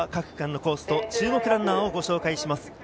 では各区間のコースと注目ランナーをご紹介します。